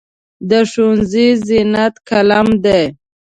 د ښوونځي زینت قلم دی.